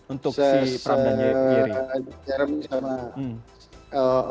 untuk si prom yang kiri